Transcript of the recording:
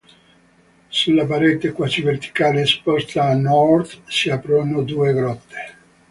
Sulla parete quasi verticale esposta a Nord si aprono due grotte.